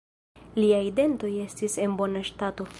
Liaj dentoj estis en bona stato.